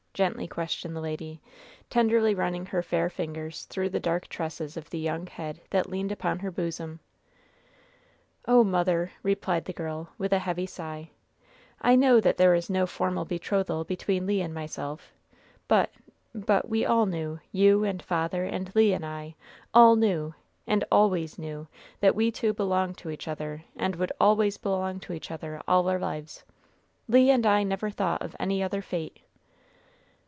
gently questioned the lady, tenderly running her fair fingers through the dark tresses of the young head that leaned upon her bosom. "Oh, mother," replied the girl, with a heavy sigh, "I know that there was no formal betrothal between Le and myself but but we all knew, you and father and Le and I all knew and always knew that we two belonged to each other and would always belong to each other all our lives. Le and I never thought of any other fate."